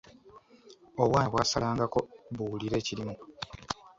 Obwana bwasalangako buwulire ekirimu.